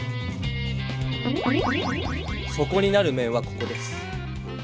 底になる面はここです。